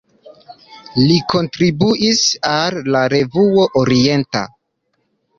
Li kontribuis al "La Revuo Orienta".